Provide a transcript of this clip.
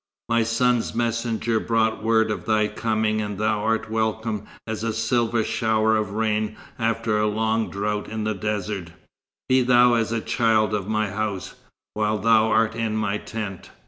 My son's messenger brought word of thy coming, and thou art welcome as a silver shower of rain after a long drought in the desert. Be thou as a child of my house, while thou art in my tent."